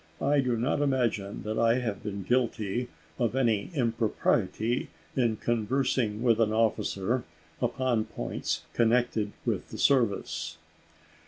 I do not imagine that I have been guilty of any impropriety in conversing with an officer upon points connected with the service."